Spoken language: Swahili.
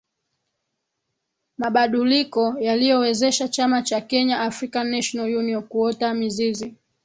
Mabaduliko yaliyowezesha chama cha Kenya African National Union kuota mizizi